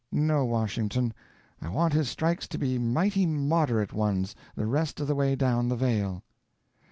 No, Washington, I want his strikes to be mighty moderate ones the rest of the way down the vale."